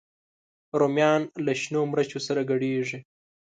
رومیان له شنو مرچو سره ګډېږي